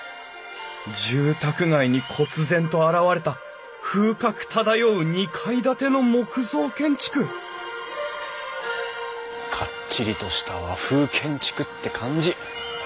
住宅街にこつ然と現れた風格漂う２階建ての木造建築かっちりとした和風建築って感じ。